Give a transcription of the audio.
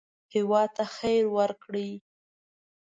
هېواد ته خیر ورکړئ